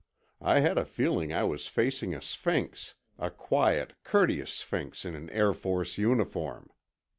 I had a feeling I was facing a sphinx—a quiet, courteous sphinx in an Air Force uniform.